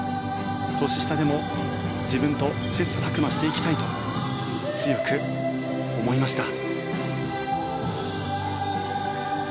年下でも自分と切磋琢磨していきたいと強く思いました。